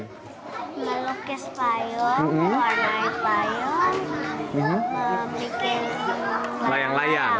melukis layang warnai layang membuat layang layang